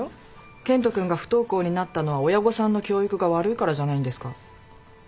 研人君が不登校になったのは親御さんの教育が悪いからじゃないんですか？